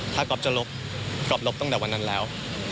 ถ้าก๊อฟจะลบก๊อฟลบตั้งแต่วันนั้นแล้ว